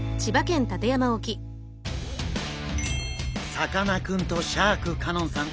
さかなクンとシャーク香音さん